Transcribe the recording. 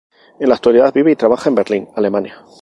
En la actualidad vive y trabaja en Berlín, Alemania.